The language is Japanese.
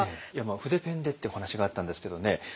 いや筆ペンでってお話があったんですけどね